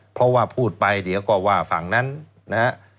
เพราะว่าพูดไปเดี๋ยวก็ว่าฝั่งนั้นนะฮะ